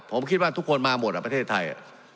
ผมคิดว่าทุกคนมาหมดประเทศไทย